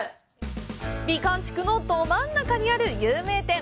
美観地区のど真ん中にある有名店。